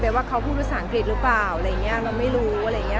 ไปว่าเขาพูดสังฐษฐกิจหรือเปล่าเราก็ไม่รู้